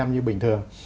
như bình thường